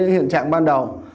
hiện trạng ban đầu